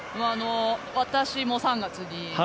私も３月に。